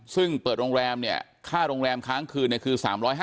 ซึ่งเปิดโรงแรมเนี่ยค่าโรงแรมค้างคืนคือ๓๕๐